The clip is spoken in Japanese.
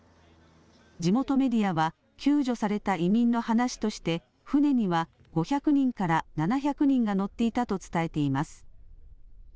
地元メディアは救助された移民の話として船には５００人から７００人が乗っていたと伝えています。